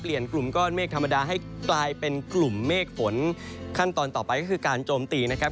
กลุ่มก้อนเมฆธรรมดาให้กลายเป็นกลุ่มเมฆฝนขั้นตอนต่อไปก็คือการโจมตีนะครับ